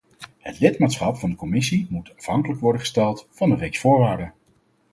Het lidmaatschap van de commissie moet afhankelijk worden gesteld van een reeks voorwaarden.